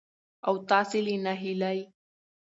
او تاسې له ناهيلۍ